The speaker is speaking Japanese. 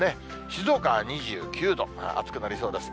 静岡は２９度、暑くなりそうです。